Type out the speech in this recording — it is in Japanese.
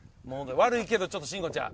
悪いけどちょっと慎吾ちゃん。